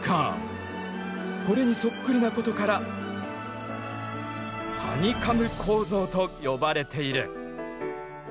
これにそっくりなことからハニカム構造と呼ばれている。